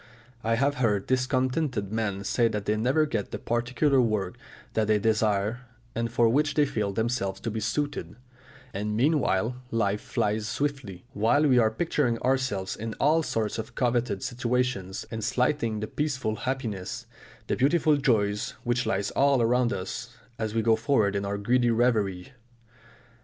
I have heard discontented men say that they never get the particular work that they desire and for which they feel themselves to be suited; and meanwhile life flies swiftly, while we are picturing ourselves in all sorts of coveted situations, and slighting the peaceful happiness, the beautiful joys which lie all around us, as we go forward in our greedy reverie.